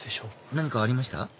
何かありました？